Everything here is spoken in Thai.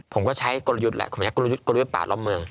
ผมก็ใช้กลยุทธแหละผมใช้กลยุทธป่ารอบเมือง